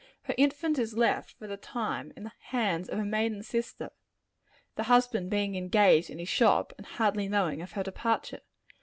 Her infant is left, for the time, in the hands of a maiden sister the husband being engaged in his shop, and hardly knowing of her departure.